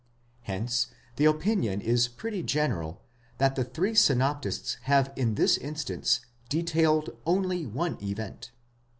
Hence the opinion is pretty general, that the three synoptists have in this instance detailed only one event.